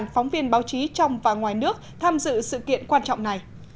phóng viên báo chí trong và ngoài nước tham dự sự kiện quan trọng này